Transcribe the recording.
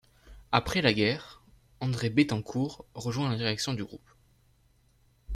Après la guerre, André Bettencourt rejoint la direction du groupe.